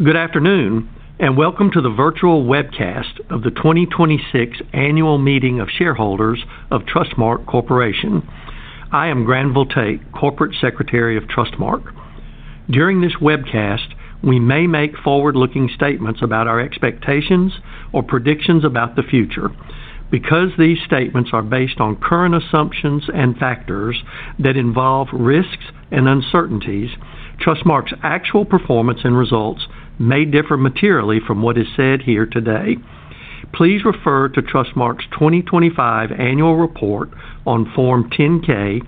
Good afternoon, welcome to the virtual webcast of the 2026 Annual Meeting of Shareholders of Trustmark Corporation. I am Granville Tate, Corporate Secretary of Trustmark. During this webcast, we may make forward-looking statements about our expectations or predictions about the future. Because these statements are based on current assumptions and factors that involve risks and uncertainties, Trustmark's actual performance and results may differ materially from what is said here today. Please refer to Trustmark's 2025 Annual Report on Form 10-K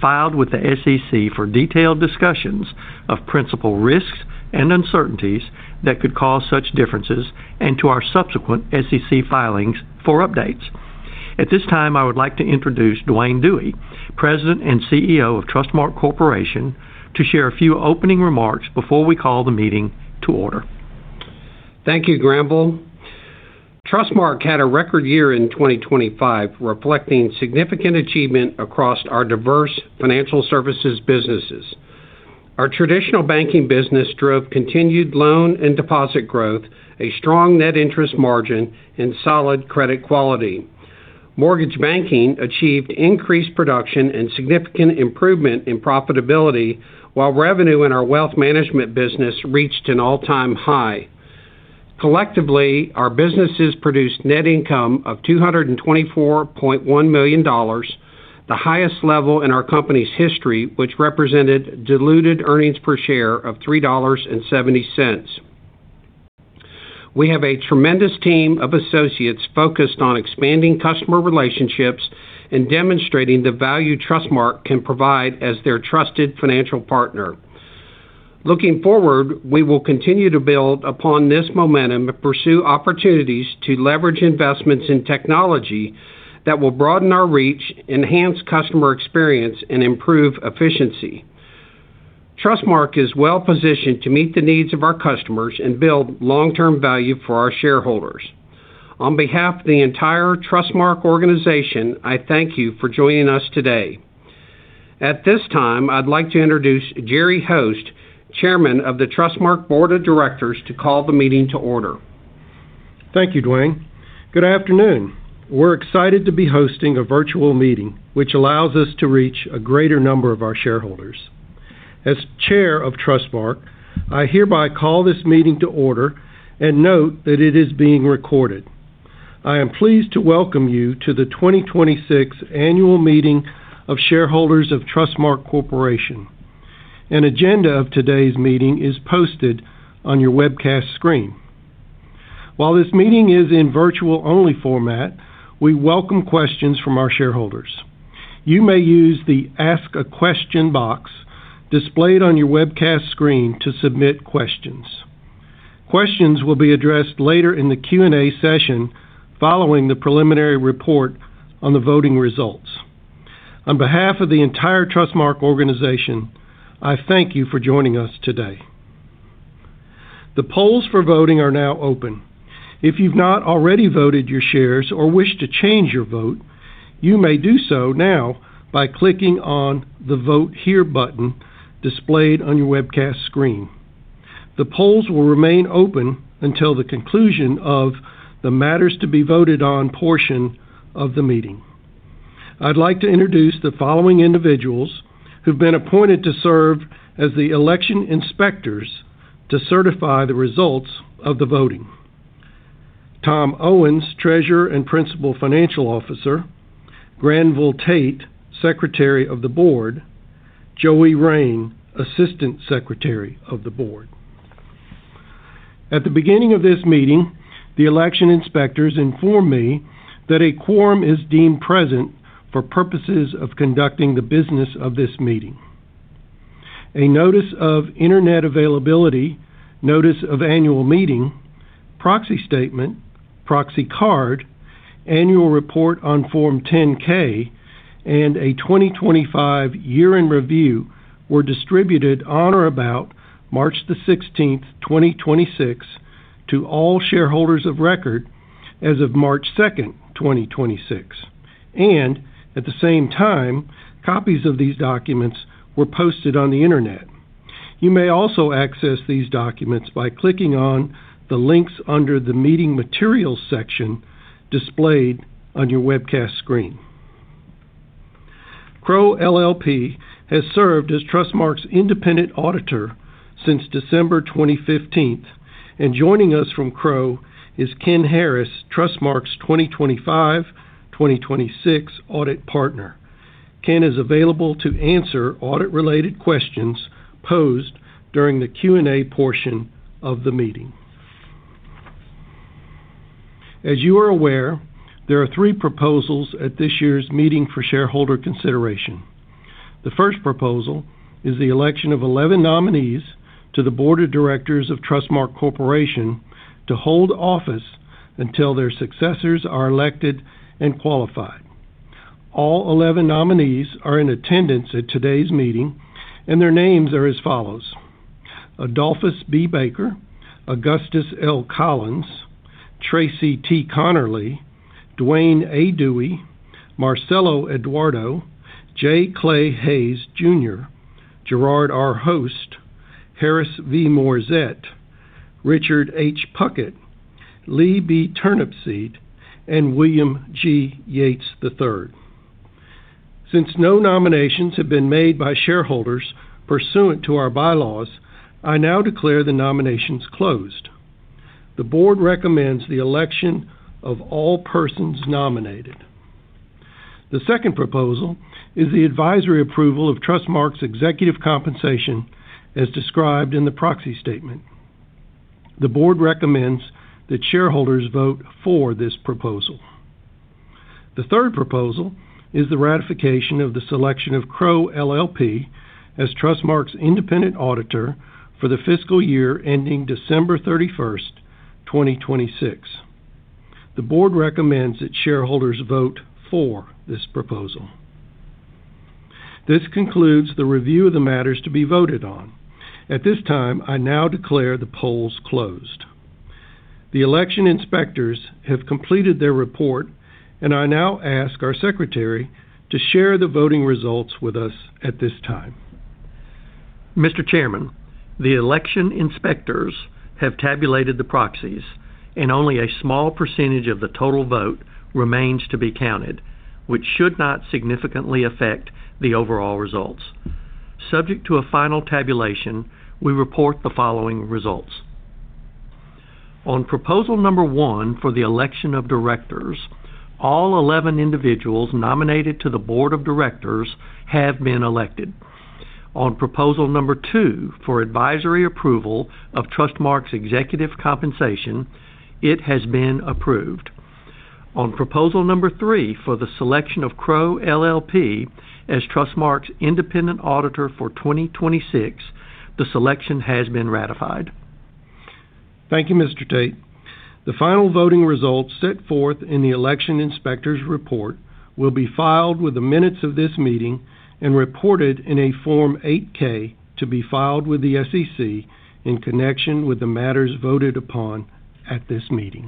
filed with the SEC for detailed discussions of principal risks and uncertainties that could cause such differences and to our subsequent SEC filings for updates. At this time, I would like to introduce Duane A. Dewey, President and CEO of Trustmark Corporation, to share a few opening remarks before we call the meeting to order. Thank you, Granville. Trustmark had a record year in 2025, reflecting significant achievement across our diverse financial services businesses. Our traditional banking business drove continued loan and deposit growth, a strong net interest margin and solid credit quality. Mortgage banking achieved increased production and significant improvement in profitability, while revenue in our wealth management business reached an all-time high. Collectively, our businesses produced net income of $224.1 million, the highest level in our company's history, which represented diluted earnings per share of $3.70. We have a tremendous team of associates focused on expanding customer relationships and demonstrating the value Trustmark can provide as their trusted financial partner. Looking forward, we will continue to build upon this momentum and pursue opportunities to leverage investments in technology that will broaden our reach, enhance customer experience and improve efficiency. Trustmark is well-positioned to meet the needs of our customers and build long-term value for our shareholders. On behalf of the entire Trustmark organization, I thank you for joining us today. At this time, I'd like to introduce Gerard R. Host, Chairman of the Trustmark Board of Directors, to call the meeting to order. Thank you, Duane. Good afternoon. We're excited to be hosting a virtual meeting which allows us to reach a greater number of our shareholders. As Chair of Trustmark, I hereby call this meeting to order and note that it is being recorded. I am pleased to welcome you to the 2026 Annual Meeting of Shareholders of Trustmark Corporation. An agenda of today's meeting is posted on your webcast screen. While this meeting is in virtual-only format, we welcome questions from our shareholders. You may use the Ask a Question box displayed on your webcast screen to submit questions. Questions will be addressed later in the Q&A session following the preliminary report on the voting results. On behalf of the entire Trustmark organization, I thank you for joining us today. The polls for voting are now open. If you've not already voted your shares or wish to change your vote, you may do so now by clicking on the Vote Here button displayed on your webcast screen. The polls will remain open until the conclusion of the matters to be voted on portion of the meeting. I'd like to introduce the following individuals who've been appointed to serve as the election inspectors to certify the results of the voting. Thomas C. Owens, Treasurer and Principal Financial Officer. Granville Tate Jr., Secretary of the Board. F. Joseph Rein, Jr., Assistant Secretary of the Board. At the beginning of this meeting, the election inspectors informed me that a quorum is deemed present for purposes of conducting the business of this meeting. A Notice of Internet Availability, Notice of Annual Meeting, Proxy Statement, Proxy Card, Annual Report on Form 10-K, and a 2025 year-end review were distributed on or about March 16th, 2026, to all shareholders of record as of March 2nd, 2026, and at the same time, copies of these documents were posted on the internet. You may also access these documents by clicking on the links under the Meeting Materials section displayed on your webcast screen. Crowe LLP has served as Trustmark's independent auditor since December 2015, and joining us from Crowe is Ken Harris, Trustmark's 2025, 2026 audit partner. Ken is available to answer audit-related questions posed during the Q&A portion of the meeting. As you are aware, there are three proposals at this year's meeting for shareholder consideration. The first proposal is the election of 11 nominees to the Board of Directors of Trustmark Corporation to hold office until their successors are elected and qualified. All 11 nominees are in attendance at today's meeting, and their names are as follows: Adolphus B. Baker, Augustus L. Collins, Tracy T. Conerly, Duane A. Dewey, Marcelo Eduardo, J. Clay Hays Jr., Gerard R. Host, Harris V. Morrissette, Richard H. Puckett, Lea B. Turnipseed, and William G. Yates III. Since no nominations have been made by shareholders pursuant to our bylaws, I now declare the nominations closed. The board recommends the election of all persons nominated. The second proposal is the advisory approval of Trustmark's executive compensation as described in the proxy statement. The board recommends that shareholders vote for this proposal. The third proposal is the ratification of the selection of Crowe LLP as Trustmark's independent auditor for the fiscal year ending December 31st, 2026. The board recommends that shareholders vote for this proposal. This concludes the review of the matters to be voted on. At this time, I now declare the polls closed. The election inspectors have completed their report, and I now ask our secretary to share the voting results with us at this time. Mr. Chairman, the election inspectors have tabulated the proxies, only a small percentage of the total vote remains to be counted, which should not significantly affect the overall results. Subject to a final tabulation, we report the following results. On proposal number 1 for the election of directors, all 11 individuals nominated to the board of directors have been elected. On proposal number 2, for advisory approval of Trustmark's executive compensation, it has been approved. On proposal number 3, for the selection of Crowe LLP as Trustmark's independent auditor for 2026, the selection has been ratified. Thank you, Mr. Tate. The final voting results set forth in the election inspector's report will be filed with the minutes of this meeting and reported in a Form 8-K to be filed with the SEC in connection with the matters voted upon at this meeting.